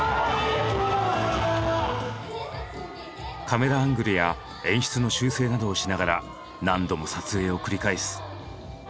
カメラアングルや演出の修正などをしながら何度も撮影を繰り返す。